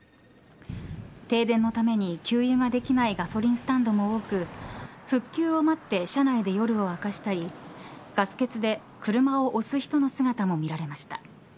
停電のために給油ができないガソリンスタンドも多く復旧を待って車内で夜を明かしたりガス欠で車を押す人の姿も見られました。